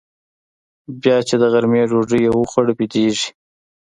بيا چې د غرمې ډوډۍ يې وخوړه بيدېږي.